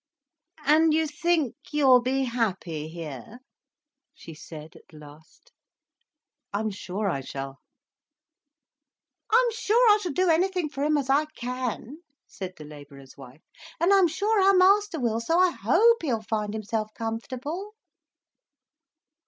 "And you think you'll be happy here?" she said at last. "I'm sure I shall." "I'm sure I shall do anything for him as I can," said the labourer's wife. "And I'm sure our master will; so I hope he'll find himself comfortable."